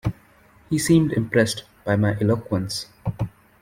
He seemed impressed by my eloquence.